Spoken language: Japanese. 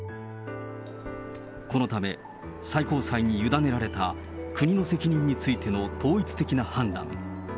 このため、最高裁に委ねられた国の責任についての統一的な判断。